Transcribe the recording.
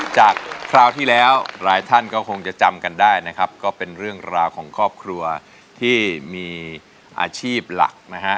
คราวที่แล้วหลายท่านก็คงจะจำกันได้นะครับก็เป็นเรื่องราวของครอบครัวที่มีอาชีพหลักนะฮะ